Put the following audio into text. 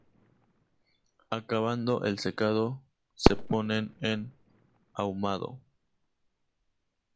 Acabando el secado, se ponen en ahumado.